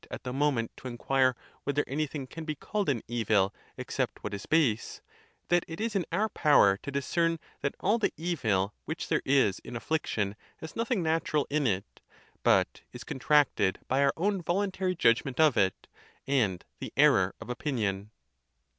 at the moment to inquire whether anything can be called an evil except what is base) that it is in our power to discern that all the evil which there is in affliction has nothing natural in it, but is contracted by our own voluntary judgment of it, and the error of opinion.